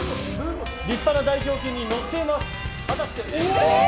立派な大胸筋に乗せます。